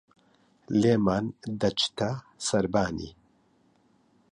لێمان دەچتە سەربانی